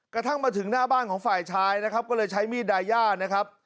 กระทั่งมาถึงหน้าบ้านของฝ่ายชายนะครับก็เลยใช้มีดดายานะครับ